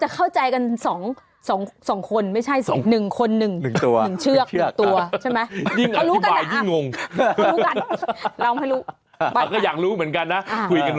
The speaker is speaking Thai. เก่งด้วยน่ารักด้วย